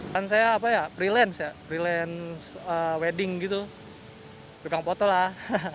kan saya freelance ya freelance wedding gitu dukung foto lah